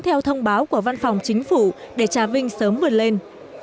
theo thông báo của văn phòng chính phủ để trà vinh sớm vươn lên